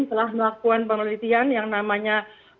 telah melakukan penelitian yang namanya